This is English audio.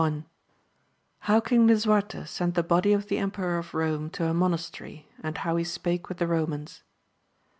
— ^How King Lisuarte sent the body of the Em peror of Borne to a monastery, and how he spake with the Bomans.